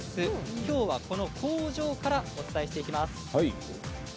きょうはこの工場からお伝えしていきます。